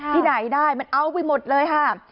ที่ไหนได้มันเอาไปหมดเลยค่ะ